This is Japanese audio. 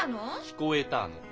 聞こえたの。